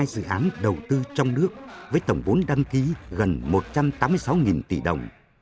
hai trăm bảy mươi hai dự án đầu tư trong nước với tổng bốn đăng ký gần một trăm tám mươi sáu tỷ đồng